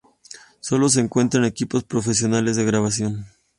Sólo se encuentra en equipos profesionales de grabación.